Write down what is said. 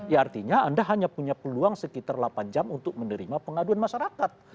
ya artinya anda hanya punya peluang sekitar delapan jam untuk menerima pengaduan masyarakat